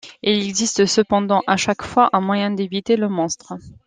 Il existe cependant à chaque fois un moyen d'éviter le monstre.